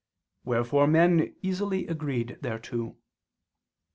Wherefore men easily agreed thereto.